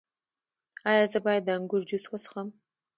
ایا زه باید د انګور جوس وڅښم؟